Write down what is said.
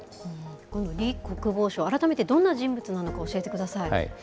この李国防相、改めてどんな人物なのか教えてください。